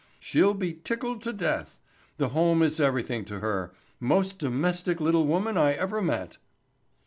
She'll be tickled to death. The home is everything to her. Most domestic little woman I ever met."